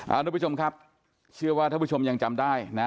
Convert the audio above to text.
ทุกผู้ชมครับเชื่อว่าท่านผู้ชมยังจำได้นะ